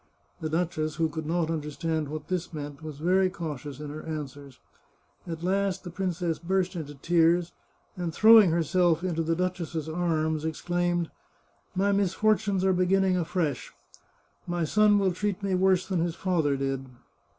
The duchess, who could not understand what this meant, was very cautious in her answers. At last the princess burst into tears, and throw ing herself into the duchess's arms, exclaimed :" My misfortunes are beginning afresh. My son will treat me worse than his father did."